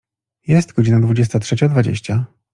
Jest godzina dwudziesta trzecia dwadzieścia.